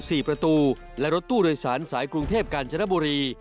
สี่ประตูและรถตู้โดยสารสายกรุงเทพกาญจนบุรี